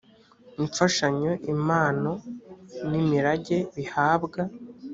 imfashanyo impano n imirage bihabwa